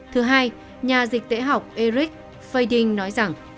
thứ hai nhà dịch tễ học eric fading nói rằng